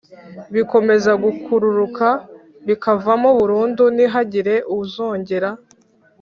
bikomeza gukururuka bikavaho burundu, ntihagire uzongera